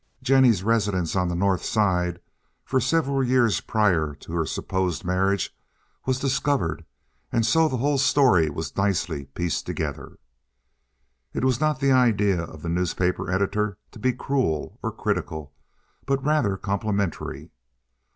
Jennie's residence on the North Side, for several years prior to her supposed marriage, was discovered and so the whole story was nicely pieced together. It was not the idea of the newspaper editor to be cruel or critical, but rather complimentary.